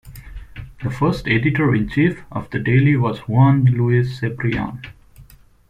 The first editor-in-chief of the daily was Juan Luis Cebrian.